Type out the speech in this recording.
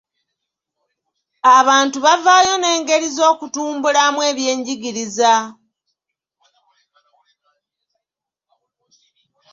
Abantu bavaayo n'engeri z'okutumbulamu ebyenjigiriza.